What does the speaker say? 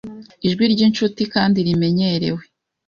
ijwi ryinshuti kandi rimenyerewe.